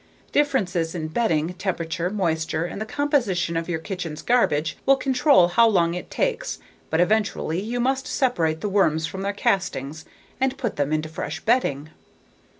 Differences in bedding, temperature, moisture, and the composition of your kitchen's garbage will control how long it takes but eventually you must separate the worms from their castings and put them into fresh bedding.